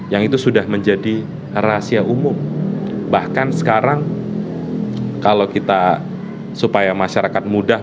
yang itu sudah menjadi rahasia umum bahkan sekarang kalau kita supaya masyarakat mudah